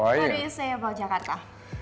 apa pendapatmu tentang jakarta